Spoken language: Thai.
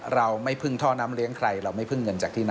เราไม่พึ่งท่อน้ำเลี้ยงใครเราไม่พึ่งเงินจากที่ไหน